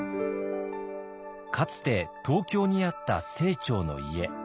かつて東京にあった清張の家。